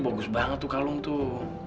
bagus banget tuh kalung tuh